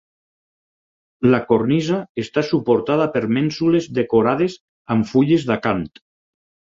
La cornisa està suportada per mènsules decorades amb fulles d'acant.